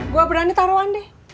gue berani taruhan deh